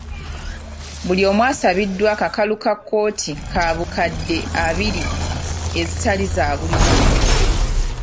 Buli omu asabiddwa akakalu ka kkooti ka bukadde abiri ezitali zaabuliwo.